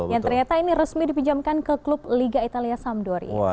yang ternyata ini resmi dipinjamkan ke klub liga italia samdori